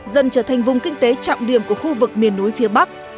dần trở thành vùng kinh tế trọng điểm của khu vực miền núi phía bắc